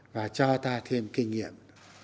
và cho ta thêm kinh nghiệm